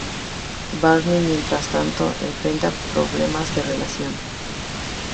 Barney, mientras tanto, enfrenta problemas de relación.